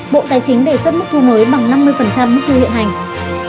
bộ tài chính đề xuất mức thu mới bằng năm mươi mức thu hiện hành